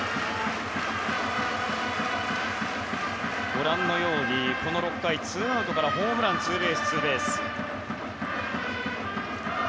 ご覧のように、この６回ホームランツーベース、ツーベース。